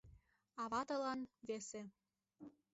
— А ватылан — весе.